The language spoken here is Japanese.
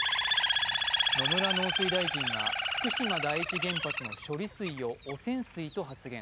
野村農水大臣が福島第一原発の処理水を汚染水と発言。